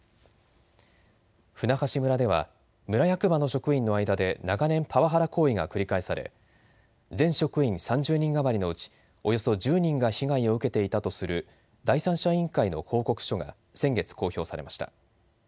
舟橋村では村役場の職員の間で長年、パワハラ行為が繰り返され全職員３０人余りのうちおよそ１０人が被害を受けていたとする第三者委員会の報告書が先月、公表されました。